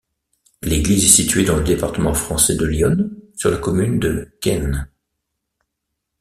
L'église est située dans le département français de l'Yonne, sur la commune de Quenne.